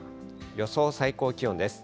予想最高気温です。